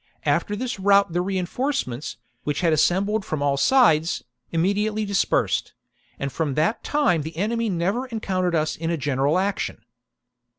After this rout the reinforcements, which had assembled from all sides, immediately dispersed ; and from that time the enemy never encountered us in a general action.